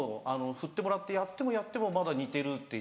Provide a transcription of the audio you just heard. ふってもらってやってもやってもまだ「似てる」って。